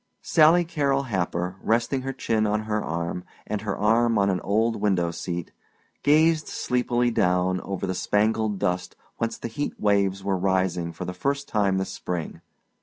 Sally Carrol Happer, resting her chin on her arm, and her arm on an old window seat, gazed sleepily down over the spangled dust whence the heat waves were rising for the first time this spring.